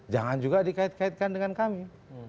jangan juga dikait kaitkan dengan kami